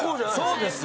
そうですよ。